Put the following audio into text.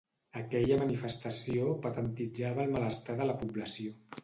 Aquella manifestació patentitzava el malestar de la població.